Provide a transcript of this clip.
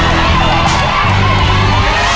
สุดท้ายแล้วครับ